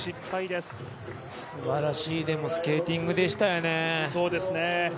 でもすばらしいスケーティングでしたよね。